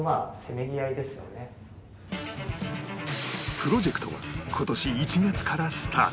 プロジェクトは今年１月からスタート